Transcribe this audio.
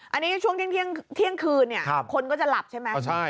อันนี้ช่วงเที่ยงคืนเนี่ยคนก็จะหลับใช่ไหม